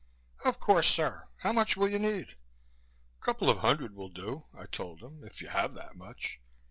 "Of course, sir. How much will you need?" "A couple of hundred will do," I told him, "if you have that much."